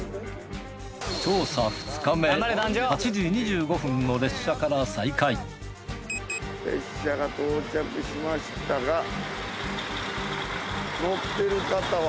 調査２日目８時２５分の列車から再開列車が到着しましたが。